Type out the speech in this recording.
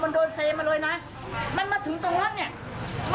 ป้าคุยเรื่องแหละบ้านนี้คือน้องสาว